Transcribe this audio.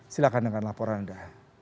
silahkan dengan laporan anda